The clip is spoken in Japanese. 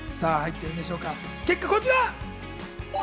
結果はこちら。